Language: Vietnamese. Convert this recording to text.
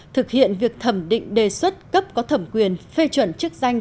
thực hiện việc thẩm định đề xuất cấp có thẩm quyền phê chuẩn chức danh